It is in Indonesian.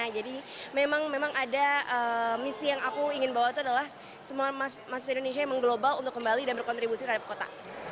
jadi memang ada misi yang aku ingin bawa itu adalah semua mahasiswa indonesia yang mengglobal untuk kembali dan berkontribusi terhadap kota